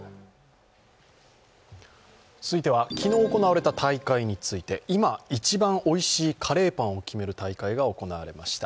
続いては、昨日行われた大会について、今、１番おいしいカレーパンを決める大会が行なわれました。